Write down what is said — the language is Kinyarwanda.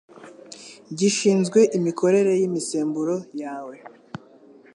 gishinzwe imikorere y'imisemburo yawe